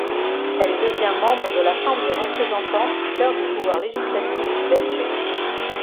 Elle devient membre de la Chambre des Représentants, cœur du pouvoir législatif belge.